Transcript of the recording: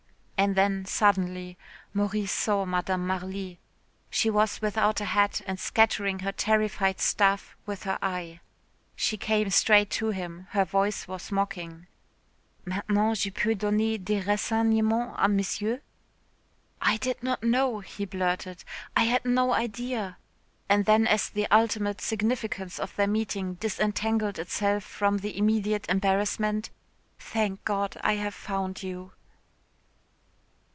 And then suddenly Maurice saw Madame Marly. She was without a hat and scattering her terrified staff with her eye. She came straight to him, her voice was mocking. "Maintenant, je peux donner des renseignements à Monsieur." "I did not know," he blurted, "I had no idea," and then as the ultimate significance of their meeting disentangled itself from the immediate embarrassment, "Thank God, I have found you."